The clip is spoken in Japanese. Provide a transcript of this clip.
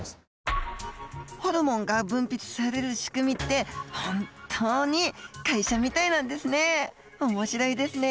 ホルモンが分泌される仕組みって本当に会社みたいなんですね。